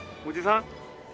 「おじさん？」